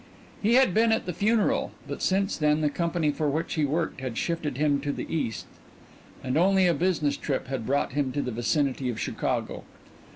He had been at the funeral, but since then the company for which he worked had shifted him to the East and only a business trip had brought him to the vicinity of Chicago.